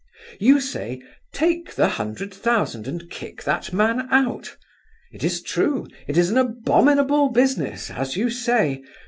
"You say, take the hundred thousand and kick that man out. It is true, it is an abominable business, as you say.